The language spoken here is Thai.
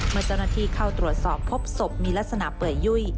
เมื่อเจ้าหน้าที่เข้าตรวจสอบพบศพมีลักษณะเปื่อยยุ่ย